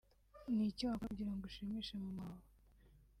ni iki wakora kugira ngo ushimishe mama wawe